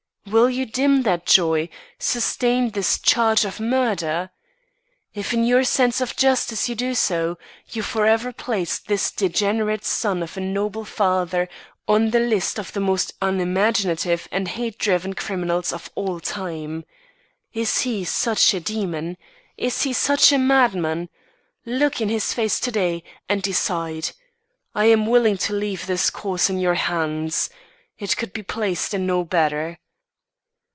Will you dim that joy sustain this charge of murder? "If in your sense of justice you do so, you forever place this degenerate son of a noble father, on the list of the most unimaginative and hate driven criminals of all time. Is he such a demon? Is he such a madman? Look in his face to day, and decide. I am willing to leave his cause in your hands. It could be placed in no better.